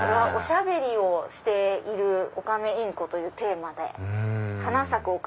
おしゃべりをしているオカメインコというテーマで。